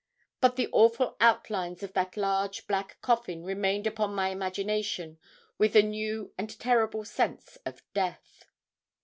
But the awful outlines of that large black coffin remained upon my imagination with a new and terrible sense of death.